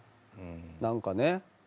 何かね。